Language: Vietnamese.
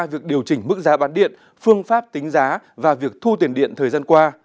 việc điều chỉnh mức giá bán điện phương pháp tính giá và việc thu tiền điện thời gian qua